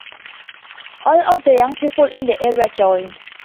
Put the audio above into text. All of the young people in the area joined.